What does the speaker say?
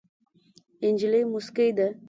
نجلۍ موسکۍ ده.